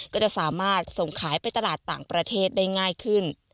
ก็จะสามารถส่งขายไปตลาดต่างประเทศได้ง่ายขึ้น